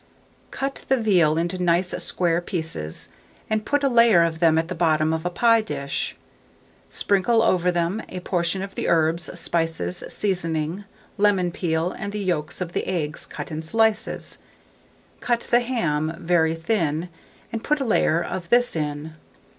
Cut the veal into nice square pieces, and put a layer of them at the bottom of a pie dish; sprinkle over these a portion of the herbs, spices, seasoning, lemon peel, and the yolks of the eggs cut in slices; cut the ham very thin, and put a layer of this in.